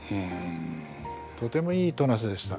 とてもいい戸無瀬でした。